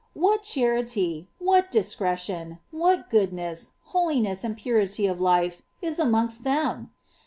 What charity, what dis cretion, what jroodness, holiness, and purity of life, is amongst them